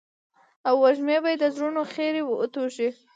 او وږمې به يې د زړونو خيري وتوږي.